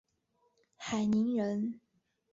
海宁人。